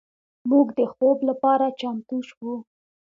موږ د خوب لپاره چمتو شو.